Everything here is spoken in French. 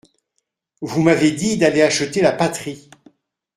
Vous m’avez dit d’aller acheter la Patrie.